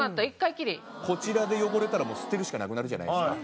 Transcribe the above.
こちらで汚れたら捨てるしかなくなるじゃないですか。